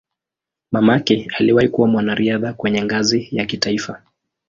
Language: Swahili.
Mamake aliwahi kuwa mwanariadha kwenye ngazi ya kitaifa.